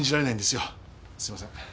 すいません。